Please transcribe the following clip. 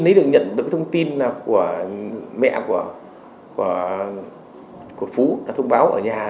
nếu được nhận được cái thông tin là của mẹ của phú đã thông báo ở nhà